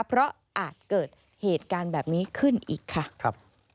เพราะอาจเกิดเหตุการณ์แบบนี้ขึ้นอีกค่ะ